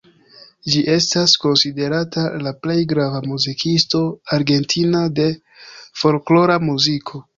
Ĝi estas konsiderata la plej grava muzikisto argentina de folklora muziko.